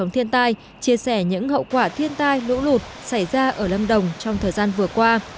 thiên tai chia sẻ những hậu quả thiên tai lũ lụt xảy ra ở lâm đồng trong thời gian vừa qua